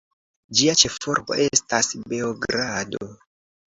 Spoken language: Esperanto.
Ĝia ĉefurbo estas Beogrado.